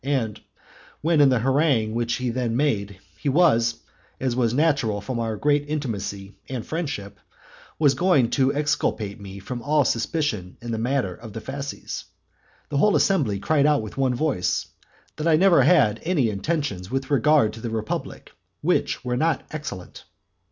And when in the harangue which he then made, he, as was natural from our great intimacy and friendship, was going to exculpate me from all suspicion in the matter of the fasces, the whole assembly cried out with one voice, that I had never had any intentions with regard to the republic which were not excellent.